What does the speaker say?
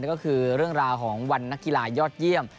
ก็คือเรื่องราวของวันนักกีฬายอดเยี่ยม